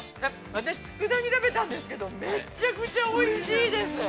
◆私佃煮食べたんですけど、めちゃくちゃおいしいです。